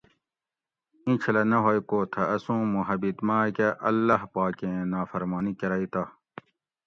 ایں چھلہ نہ ھوگ کو تھہ اسوں محبت ماکہ اللّٰہ پاکیں نافرمانی کرگ تہ